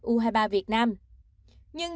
u hai mươi ba việt nam nhưng